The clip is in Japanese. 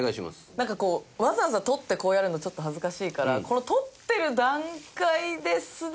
なんかこうわざわざ取ってこうやるのちょっと恥ずかしいからこの取ってる段階ですでにパッチンしておくっていう。